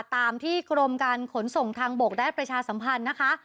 ตามที่กรมการขนส่งทางบกได้ประชาสัมพันธ์นะคะ